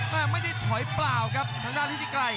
ไม่ได้ถอยเปล่าครับทางด้านฤทธิไกร